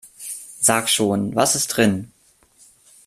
Sag schon, was ist drin?